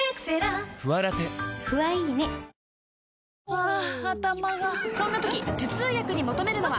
ハァ頭がそんな時頭痛薬に求めるのは？